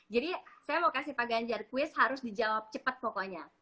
jadi saya mau kasih pak ganjar kuis harus dijawab cepat pokoknya